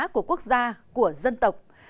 của quốc gia của dân tộc